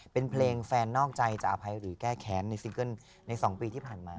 เป็นเพลงแฟนนอกใจจะอภัยหรือแก้แค้นในซิงเกิ้ลใน๒ปีที่ผ่านมา